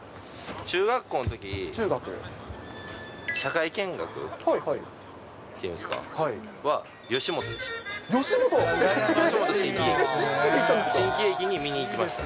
中学校のとき、社会見学っていうんですか、は、吉本でした。